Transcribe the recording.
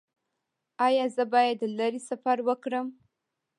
ایا زه باید لرې سفر وکړم؟